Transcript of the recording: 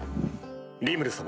リムル様。